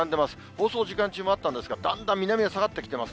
放送時間中もあったんですが、だんだん南へ下がってきてます。